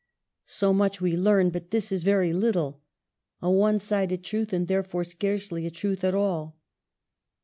So much we learn ; but this is very little — a one sided truth and therefore scarcely a truth at all.